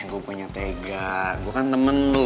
gue bukan yang tega gue kan temen lu